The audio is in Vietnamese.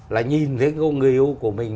là nhìn thấy người yêu của mình